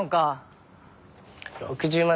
６０万。